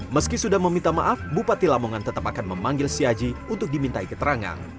meski sudah meminta maaf bupati lamongan tetap akan memanggil si haji untuk dimintai keterangan